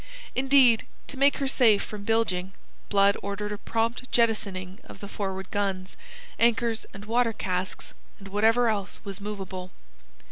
Indeed, to make her safe from bilging, Blood ordered a prompt jettisoning of the forward guns, anchors, and water casks and whatever else was moveable.